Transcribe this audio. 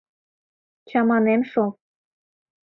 Чаманем шол...